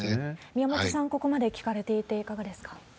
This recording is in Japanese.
宮本さん、ここまで聞かれていて、いかがですか？